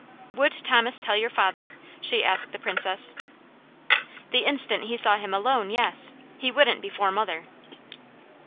"Would Thomas tell your father?" she asked the Princess. "The instant he saw him alone, yes. He wouldn't before mother."